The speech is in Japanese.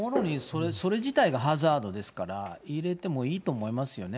それ自体がハザードですから、入れてもいいと思いますよね。